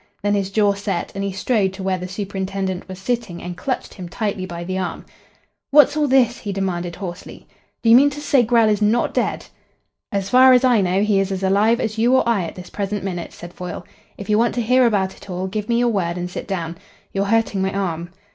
Then his jaw set, and he strode to where the superintendent was sitting and clutched him tightly by the arm. "What's all this?" he demanded hoarsely. "Do you mean to say Grell is not dead?" "As far as I know he is as alive as you or I at this present minute," said Foyle. "If you want to hear about it all, give me your word and sit down. You're hurting my arm."